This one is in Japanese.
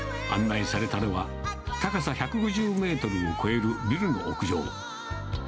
案内されたのは、高さ１５０メートルを超えるビルの屋上。